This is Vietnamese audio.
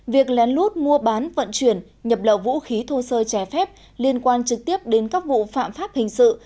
việc lén lút mua bán vận chuyển nhập lậu vũ khí thô sơ trái phép liên quan trực tiếp đến các vụ phạm pháp hình sự